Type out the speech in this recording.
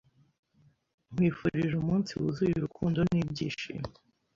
Nkwifurije umunsi wuzuye urukundo n'ibyishimo